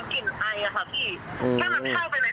มันเกี่ยวกับพวกไข้หวัดพวกไรอย่างนี้